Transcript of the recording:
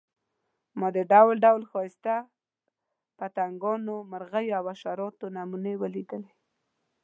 ما د ډول ډول ښایسته پتنګانو، مرغیو او حشراتو نمونې ولیدې.